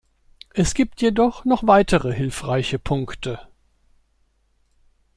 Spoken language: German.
Es gibt jedoch noch weitere hilfreiche Punkte.